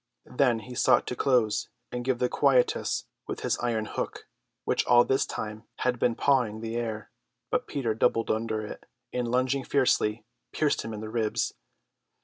Then he sought to close and give the quietus with his iron hook, which all this time had been pawing the air; but Peter doubled under it and, lunging fiercely, pierced him in the ribs.